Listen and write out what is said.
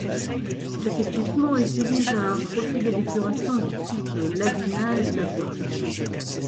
Cet équipement utilise un procédé d'épuration de type lagunage naturel.